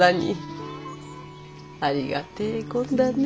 ありがてえこんだね。